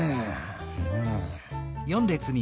うん。